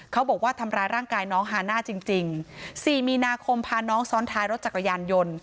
เขาบอกว่าทำร้ายร่างกายน้องฮาน่าจริงจริงสี่มีนาคมพาน้องซ้อนท้ายรถจักรยานยนต์